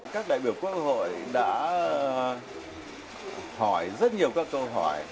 các đại biểu quốc hội đã hỏi rất nhiều các câu hỏi